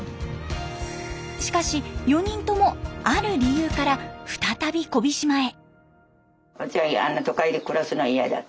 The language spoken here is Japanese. しかし４人ともある理由から再び小飛島へ。